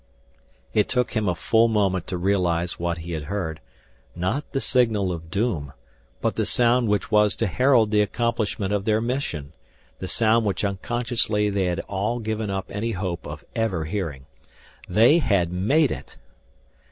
It took him a full moment to realize what he had heard, not the signal of doom, but the sound which was to herald the accomplishment of their mission the sound which unconsciously they had all given up any hope of ever hearing. They had made it!